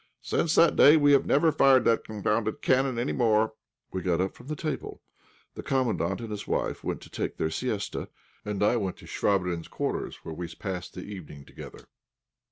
Since that day we have never fired that confounded cannon any more." We got up from table; the Commandant and his wife went to take their siesta, and I went to Chvabrine's quarters, where we passed the evening together.